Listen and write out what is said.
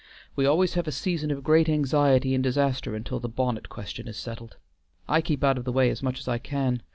"We always have a season of great anxiety and disaster until the bonnet question is settled. I keep out of the way as much as I can.